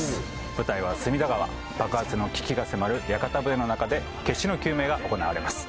舞台は隅田川爆発の危機が迫る屋形船の中で決死の救命が行われます